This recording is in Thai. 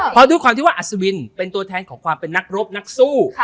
เพราะด้วยความที่ว่าอัศวินเป็นตัวแทนของความเป็นนักรบนักสู้